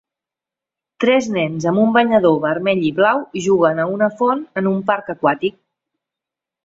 Tres nens amb un banyador vermell i blau juguen a una font en un parc aquàtic.